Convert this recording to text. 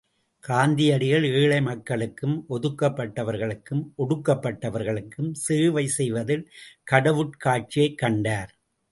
காந்தியடிகள் ஏழை மக்களுக்கும், ஒதுக்கப்பட்டவர்களுக்கும், ஒடுக்கப்பட்டவர்களுக்கும் சேவை செய்வதில் கடவுட் காட்சியைக் கண்டார்.